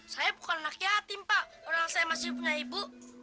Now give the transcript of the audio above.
saya bukan anak yatim pak orang saya masih punya ibu